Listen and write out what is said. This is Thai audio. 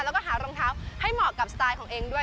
แล้วก็หารองเท้าให้เหมาะกับสไตล์ของเองด้วย